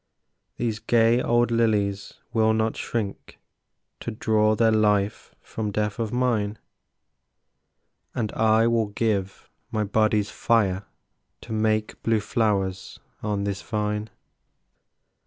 These gay old lilies will not shrink To draw their life from death of mine, And I will give my body's fire To make blue flowers on this vine.